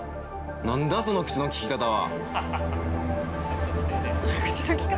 何だその口のきき方は！